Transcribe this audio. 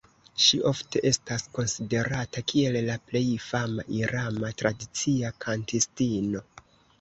Ŝi ofte estas konsiderata kiel la plej fama irana tradicia kantistino.